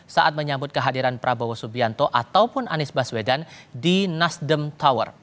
saat menyambut kehadiran prabowo subianto ataupun anies baswedan di nasdem tower